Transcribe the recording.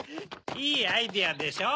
いいアイデアでしょ？